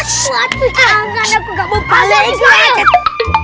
jangan aku nggak bantu